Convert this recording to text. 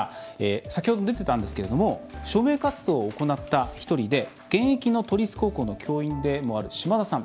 先ほど出てたんですけれども署名活動を行った１人で現役の都立高校の教員でもある島田さん。